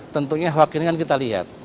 tentunya wakilnya kan kita lihat